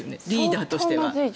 リーダーとしては。